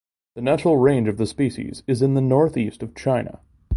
The natural range of the species is in the northeast of China.